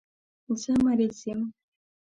زه مریض یم